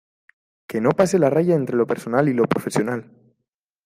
que no pase la raya entre lo personal y lo profesional.